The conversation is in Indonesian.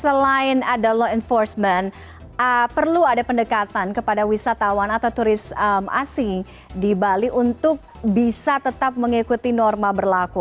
selain ada law enforcement perlu ada pendekatan kepada wisatawan atau turis asing di bali untuk bisa tetap mengikuti norma berlaku